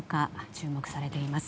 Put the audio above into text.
注目されています。